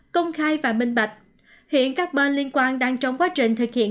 công khai và minh bạch hiện các bên liên quan đang trong quá trình thực hiện